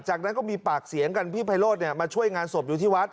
จากนั้นก็มีปากเสียงกันพี่ไพโรธมาช่วยงานศพอยู่ที่วัด